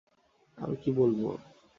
আমি কী বলবো?